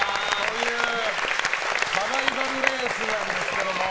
サバイバルレースなんですよ。